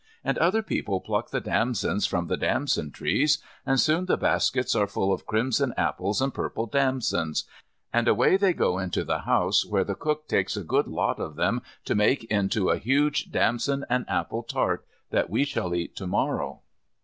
And other people pluck the damsons from the damson trees and soon the baskets are full of crimson apples and purple damsons, and away they go into the house where the cook takes a good lot of them to make into a huge damson and apple tart that we shall eat to morrow.